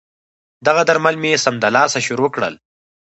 دغه درمل مې سمدلاسه شروع کړل.